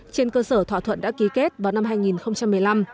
trên cơ sở thỏa thuận đã ký kết vào năm hai nghìn một mươi năm